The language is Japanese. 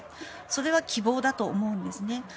それが希望だと思うんですね。